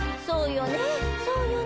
そうよね。